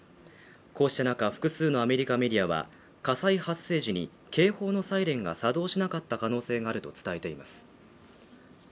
こうした中、複数のアメリカメディアは火災発生時に警報のサイレンが作動しなかった可能性があると伝えています